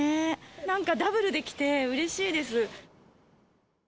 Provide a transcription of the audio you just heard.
なんかダブルできて、うれしいです。